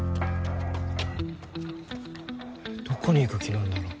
どこに行く気なんだろう？